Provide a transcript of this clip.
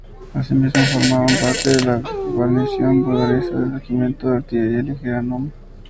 Asimismo formaban parte de la guarnición burgalesa el regimiento de artillería ligera núm.